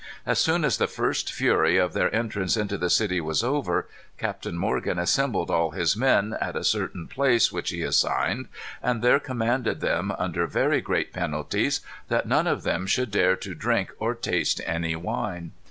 As soon as the first fury of their entrance into the city was over, Captain Morgan assembled all his men, at a certain place which he assigned, and there commanded them, under very great penalties, that none of them should dare to drink or taste any wine.